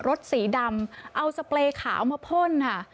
สีดำเอาสเปรย์ขาวมาพ่นค่ะ